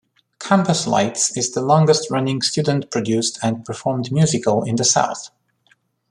Campus Lights is the longest running student produced and performed musical in the South.